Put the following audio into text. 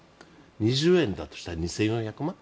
２０円だとしたら２４００万円。